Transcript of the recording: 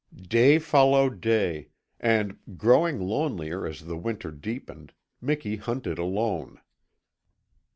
Day followed day, and, growing lonelier as the winter deepened, Miki hunted alone.